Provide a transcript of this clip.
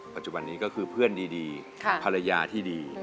ปัจจุบันนี้ก็คือเพื่อนดีภรรยาที่ดี